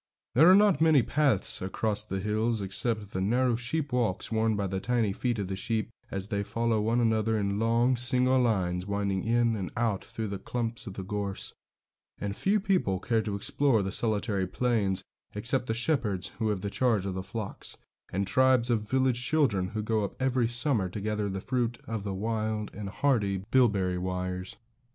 There are not many paths across the hills, except the narrow sheep walks worn by the tiny feet of the sheep as they follow one another in long, single lines, winding in and out through the clumps of gorse; and few people care to explore the solitary plains, except the shepherds who have the charge of the flocks, and tribes of village children who go up every summer to gather the fruit of the wild and hardy bilberry wires.